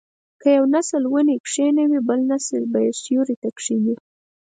که یو نسل ونې کینوي بل نسل به یې سیوري ته کیني.